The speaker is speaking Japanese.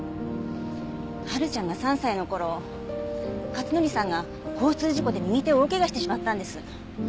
波琉ちゃんが３歳の頃克典さんが交通事故で右手を大怪我してしまったんです。